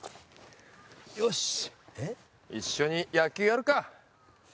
よし、一緒に野球やるか。